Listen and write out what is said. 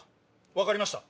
分かりました！